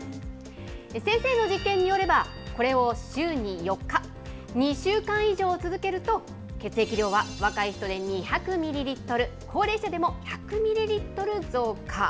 先生の実験によれば、これを週に４日、２週間以上続けると、血液量は若い人で２００ミリリットル、高齢者でも１００ミリリットル増加。